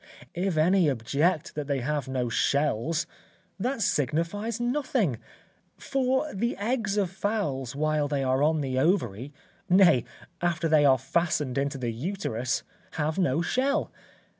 If any object that they have no shells, that signifies nothing: for the eggs of fowls while they are on the ovary, nay, after they are fastened into the uterus, have no shell.